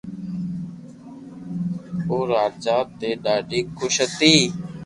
او راجا تي ڌاڌي خوݾ ھتي